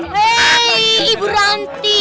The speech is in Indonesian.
hei ibu ranti